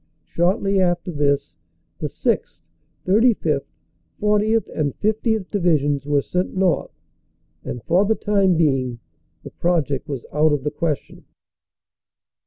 Shortly after this the 6th., 35th., 40th. and 50th. Divisions were sent north, and for the time being the project was out of the question.